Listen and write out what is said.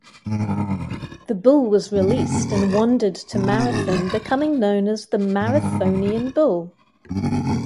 The bull was released and wandered to Marathon, becoming known as the Marathonian Bull.